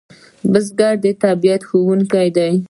بزګر د طبیعت ښوونکی دی